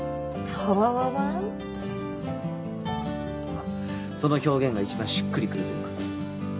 まっその表現が一番しっくりくるというか。